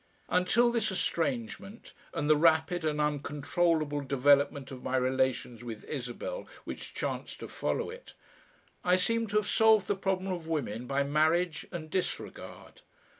Until this estrangement and the rapid and uncontrollable development of my relations with Isabel which chanced to follow it, I seemed to have solved the problem of women by marriage and disregard.